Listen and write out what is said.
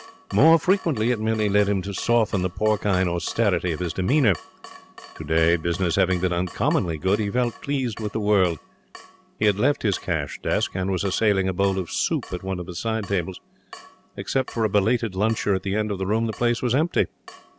More frequently it merely led him to soften the porcine austerity of his demeanour. Today, business having been uncommonly good, he felt pleased with the world. He had left his cash desk and was assailing a bowl of soup at one of the side tables. Except for a belated luncher at the end of the room the place was empty.